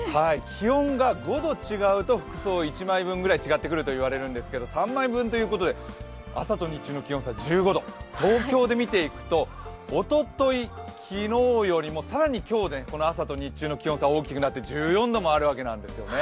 気温が５度違うと服装１枚分ぐらい違ってくると言われるんですけれども、３枚分ということで朝と日中の気温差１５度、東京で見ていくとおととい、昨日よりも、更に今日朝と日中の気温差、大きくなって１４度もあるんですね。